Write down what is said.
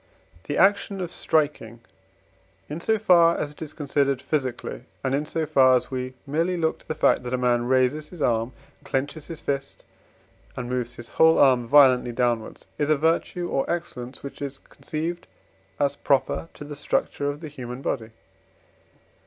The action of striking, in so far as it is considered physically, and in so far as we merely look to the fact that a man raises his arm, clenches his fist, and moves his whole arm violently downwards, is a virtue or excellence which is conceived as proper to the structure of the human body.